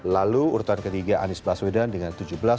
lalu urutan ketiga anies baswedan dengan tujuh belas